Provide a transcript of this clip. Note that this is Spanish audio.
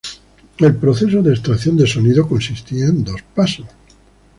El proceso de extracción de sonido consistía en dos pasos